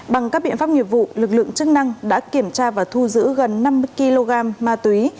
bằng các biện pháp nghiệp vụ lực lượng chức năng đã kiểm tra và thu giữ gần năm mươi kg ma túy